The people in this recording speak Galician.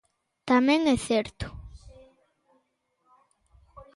Tamén é certo.